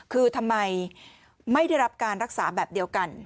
คือทำไมไม่ได้รับการรักษาแบบเดียวกัน